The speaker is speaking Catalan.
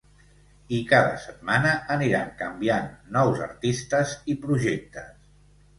I cada setmana aniran canviant nous artistes i projectes.